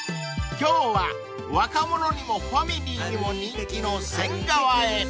［今日は若者にもファミリーにも人気の］